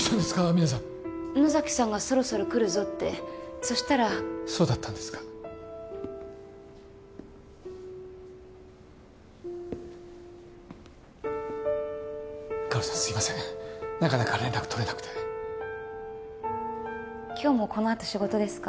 皆さん野崎さんが「そろそろ来るぞ」ってそしたらそうだったんですか薫さんすいませんなかなか連絡取れなくて今日もこのあと仕事ですか？